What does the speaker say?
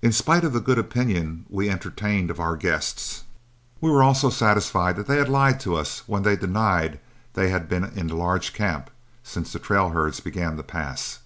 In spite of the good opinion we entertained of our guests, we were also satisfied they had lied to us when they denied they had been in the large camp since the trail herds began to pass.